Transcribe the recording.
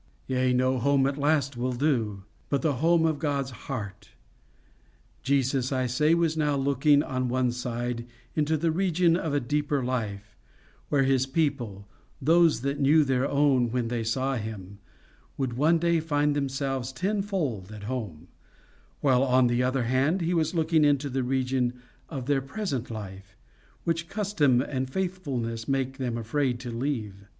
Yea, no home at last will do, but the home of God's heart. Jesus, I say, was now looking, on one side, into the region of a deeper life, where his people, those that knew their own when they saw him, would one day find themselves tenfold at home; while, on the other hand, he was looking into the region of their present life, which custom and faithlessness make them afraid to leave.